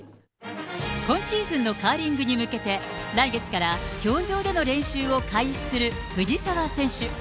今シーズンのカーリングに向けて、来月から氷上での練習を開始する藤澤選手。